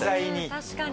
確かに。